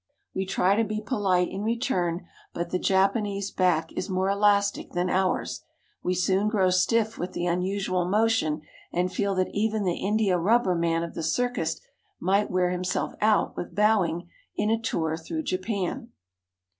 We try to be polite in return, but the Japanese back is more elastic than ours. We soon grow stiff with the unusual motion, and feel that even the India rubber man of the circus might wear himself out with bowing in a tour through Japan.